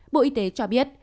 bộ y tế cho biết